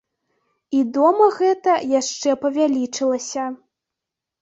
І дома гэта яшчэ павялічылася.